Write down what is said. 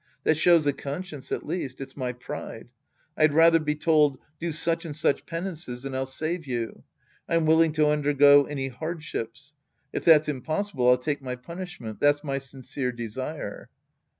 That shows a conscience at least. It's my pride. I'd rather be told, " Do such and such penances and I'll save you." I'm willing to undergo any hardships. If that's impossible, I'll take my punishment. That's my sincere desire.